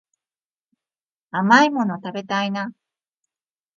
甘いもの食べたいな